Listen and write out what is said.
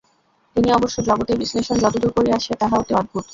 তিনি অবশ্য জগতের বিশ্লেষণ যতদূর করিয়াছেন, তাহা অতি অদ্ভুত।